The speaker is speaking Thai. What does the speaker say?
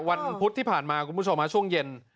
วันพุธที่ผ่านมาคุณผู้ชมช่วงเย็น